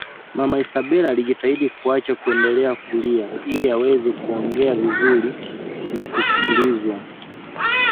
Mama Isabela alijitahidi kuacha kuendelea kulia ili aweze kuongea vizuri na kusikilizwa